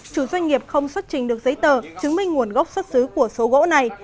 chủ doanh nghiệp không xuất trình được giấy tờ chứng minh nguồn gốc xuất xứ của số gỗ này